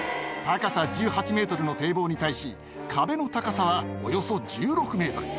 高さ１８ｍの堤防に対し壁の高さはおよそ１６ｍ。